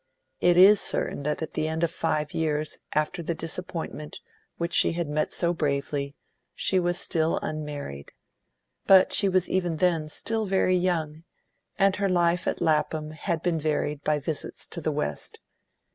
It is certain that at the end of five years after the disappointment which she met so bravely, she was still unmarried. But she was even then still very young, and her life at Lapham had been varied by visits to the West.